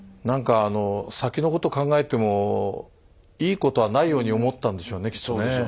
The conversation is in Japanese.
なんかあの先のこと考えてもいいことはないように思ったんでしょうねきっとね。